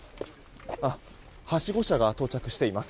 はしご車が到着しています。